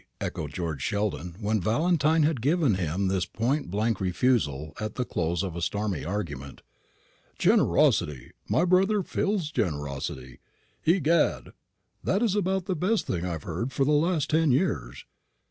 echoed George Sheldon, when Valentine had given him this point blank refusal at the close of a stormy argument. "Generosity! My brother Phil's generosity! Egad, that is about the best thing I've heard for the last ten years.